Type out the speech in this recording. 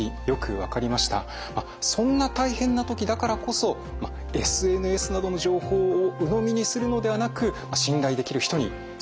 そんな大変な時だからこそＳＮＳなどの情報をうのみにするのではなく信頼できる人に相談することが大切だと改めて感じました。